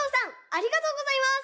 ありがとうございます。